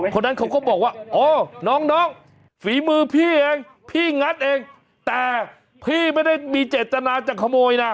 คนนั้นเขาก็บอกว่าโอ้น้องฝีมือพี่เองพี่งัดเองแต่พี่ไม่ได้มีเจตนาจะขโมยนะ